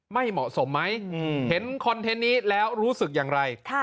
ไม่เหมาะสมไหมเห็นคอนเทนต์นี้แล้วรู้สึกอย่างไร